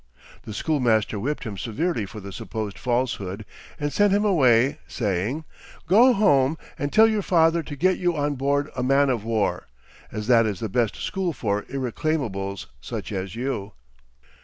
The schoolmaster whipped him severely for the supposed falsehood, and sent him away saying: "Go home, and tell your father to get you on board a man of war, as that is the best school for irreclaimables such as you."